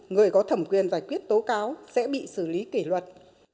người có thẩm quyền giải quyết tố cáo sẽ bị xử lý kỷ luật